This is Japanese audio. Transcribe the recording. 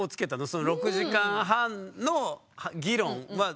その６時間半の議論は。